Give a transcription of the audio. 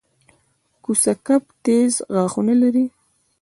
کوسه کب تېز غاښونه لري